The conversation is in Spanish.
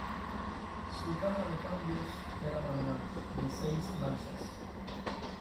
Su caja de cambios era manual de seis marchas.